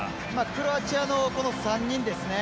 クロアチアの３人ですね。